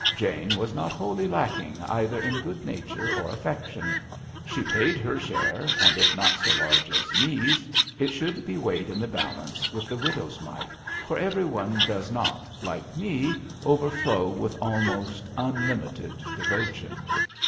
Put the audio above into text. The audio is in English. Jane was not wholly lacking either in good nature or affection. She paid her share, and, if not so large as Me*s, it should be weighed in the balance with the widow's mite, for everyone does not, like Me, overflow with almost unlimited devotion.